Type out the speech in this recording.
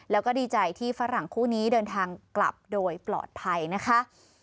แล้วก็ดีใจที่ฝรั่งคู่นี้เดินทางกลับโดยปลอดภัยนะคะ